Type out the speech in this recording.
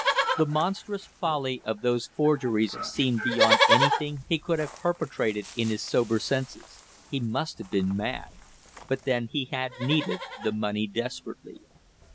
The monstrous folly of those forgeries seemed beyond anything he could have perpetrated in his sober senses. He must have been mad! But then he had needed the money desperately.